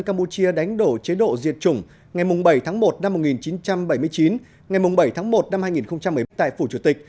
campuchia đánh đổ chế độ diệt chủng ngày bảy tháng một năm một nghìn chín trăm bảy mươi chín ngày bảy tháng một năm hai nghìn một mươi bảy tại phủ chủ tịch